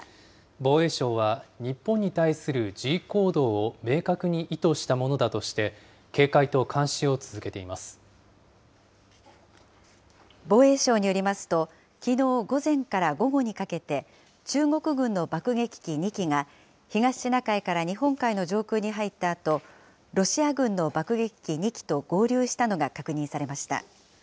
防衛省は、日本に対する示威行動を明確に意図したものだとして、警戒と監視防衛省によりますと、きのう午前から午後にかけて、中国軍の爆撃機２機が、東シナ海から日本海の上空に入ったあと、ロシア軍の爆撃機２機と合流したのが確認されました。